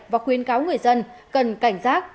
và khuyến cáo người dân cần cảnh giác